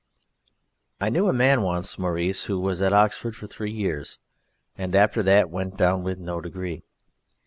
I knew a man once, Maurice, who was at Oxford for three years, and after that went down with no degree.